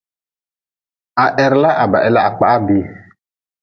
Ha heri la ha kpah ha bii.